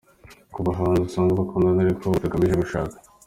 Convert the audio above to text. Ku bahanzi usanga bakundana ariko batagamije gushaka.